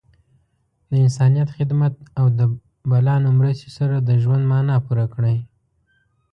د انسانیت خدمت او د بلانو مرستې سره د ژوند معنا پوره کړئ.